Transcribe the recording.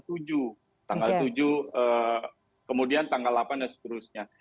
tanggal tujuh kemudian tanggal delapan dan seterusnya